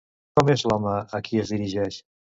Com és l'home a qui es dirigeix?